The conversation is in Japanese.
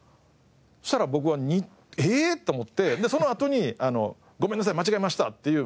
そしたら僕はええ！と思ってそのあとに「ごめんなさい間違えました」っていう。